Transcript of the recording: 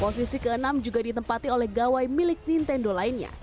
posisi keenam juga ditempati oleh gawai milik nintendo lainnya